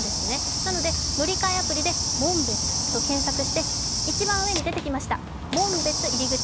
なので乗り換えアプリで「紋別」と検索して、一番上に出てきました「紋別入口」。